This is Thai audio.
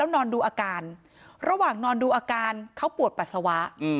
นอนดูอาการระหว่างนอนดูอาการเขาปวดปัสสาวะ